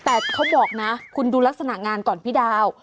แต่เขาบอกนะคุณดูลักษณะงานก่อนพี่ดาว